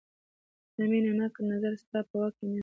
دا مینه ناک نظر ستا په واک کې نه دی.